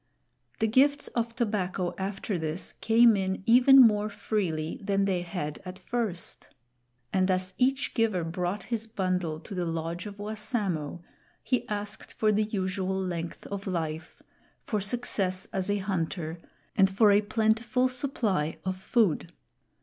The gifts of tobacco after this came in even more freely than they had at first; and as each giver brought his bundle to the lodge of Wassamo, he asked for the usual length of life, for success as a hunter, and for a plentiful supply of food.